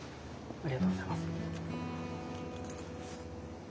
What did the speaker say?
ありがとうございます。